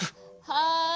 はい。